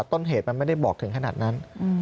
ต้นเหตุมันไม่ได้บอกถึงขนาดนั้น